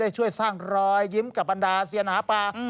ได้ช่วยสร้างรอยยิ้มกับอันดาเสียหนาปลา